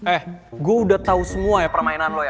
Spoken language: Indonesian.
eh gue udah tahu semua ya permainan lo ya